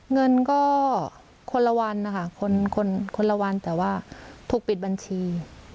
เงินก็คนละวันนะคะคนละวันแต่ว่าถูกปิดบัญชี